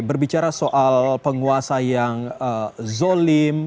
berbicara soal penguasa yang zolim